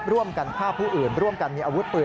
ร่วมกันฆ่าผู้อื่นร่วมกันมีอาวุธปืน